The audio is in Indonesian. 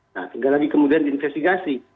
nah tinggal lagi kemudian investigasi